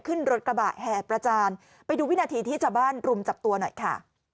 ขึ้นรถกระบะแห่ประจานไปดูวินาทีที่ชาวบ้านรุมจับตัวหน่อยค่ะ